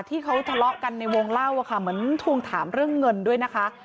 ที่เขาทะเลาะกันในวงเล่าค่ะเหมือนทวงถามเรื่องเงินด้วยนะคะ